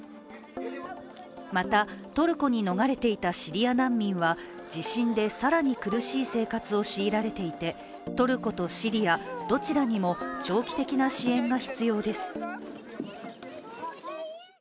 また、トルコに逃れていたシリア難民は地震で更に厳しい生活を強いられていてトルコとシリアどちらにも長期的な支援が必要です。